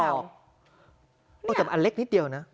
อันเล็กนิดเดียวนะ